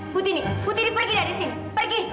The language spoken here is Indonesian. putini putini pergi dari sini pergi